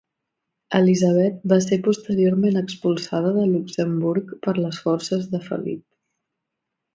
Elisabet va ser posteriorment expulsada de Luxemburg per les forces de Felip.